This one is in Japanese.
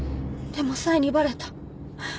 でもサイにバレた